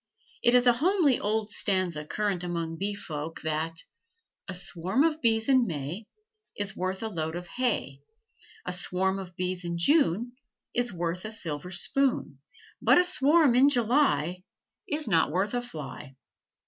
It is a homely old stanza current among bee folk that "A swarm of bees in May Is worth a load of hay; A swarm of bees in June Is worth a silver spoon; But a swarm in July Is not worth a fly."